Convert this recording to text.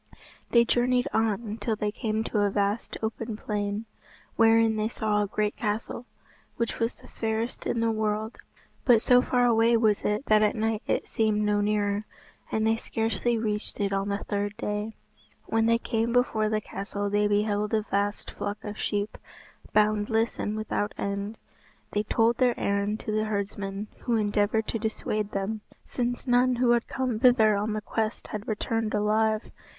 They journeyed on till they came to a vast open plain, wherein they saw a great castle, which was the fairest in the world. But so far away was it that at night it seemed no nearer, and they scarcely reached it on the third day. When they came before the castle they beheld a vast flock of sheep, boundless and without end. They told their errand to the herdsman, who endeavoured to dissuade them, since none who had come thither on that quest had returned alive.